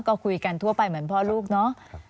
ก็คุยกันทั่วไปเหมือนพ่อลูกเนาะ